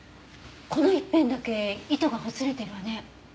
この一辺だけ糸がほつれてるわね。